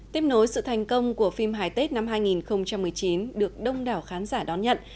tiếp nối sự thành công của phim hải tết năm hai nghìn một mươi chín được đông đảo khán giả đón nhận